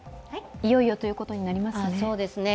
いよいよということになりますね。